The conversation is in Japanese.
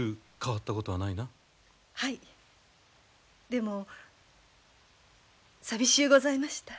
でも寂しゅうございました。